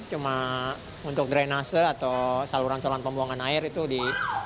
cuma untuk drainase atau saluran saluran pembuangan air itu dibenahi atau dibuang